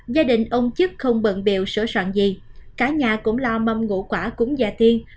gia đình ông chức không bận biểu sửa soạn gì cả nhà cũng lo mâm ngũ quả cúng gia tiên